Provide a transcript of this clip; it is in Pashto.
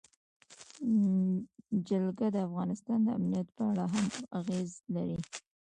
جلګه د افغانستان د امنیت په اړه هم اغېز لري.